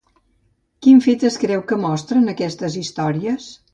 Quin fet es creu que mostren aquestes històries?